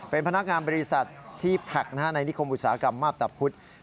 เป็นพนักงานบริษัทที่แพคในนิคมอุตสาหกรรมมาพตะพุธ